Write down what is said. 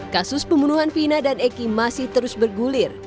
kasus pembunuhan vina dan eki masih terus bergulir